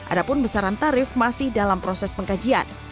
ada pun besaran tarif masih dalam proses pengkajian